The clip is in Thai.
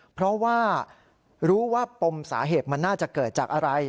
เพราะว่ารู้ว่าปมสาเหตุมันน่าจะเกิดจากอะไร